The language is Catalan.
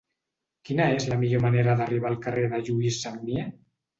Quina és la millor manera d'arribar al carrer de Lluís Sagnier?